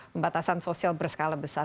pembatasan sosial berskala besar